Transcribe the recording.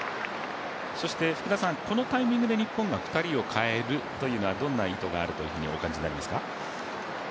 そして福田さん、このタイミングで日本が２人をかえるというのはどんな意図があると思われますか。